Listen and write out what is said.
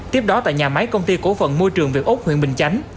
tiếp đó tại nhà máy công ty cổ phận môi trường việt úc huyện bình chánh